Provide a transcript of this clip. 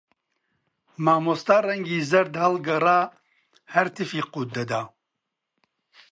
مامۆستا ڕەنگی زەرد هەڵگەڕا، هەر تفی قووت دەدا